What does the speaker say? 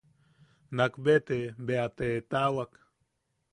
Nak bea te... bea te etaʼawak.